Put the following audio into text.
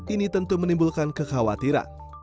ini tentu menimbulkan kekhawatiran